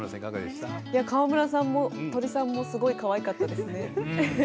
川村さんも鳥さんもすごくかわいかったです。